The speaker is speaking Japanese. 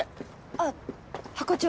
あっハコ長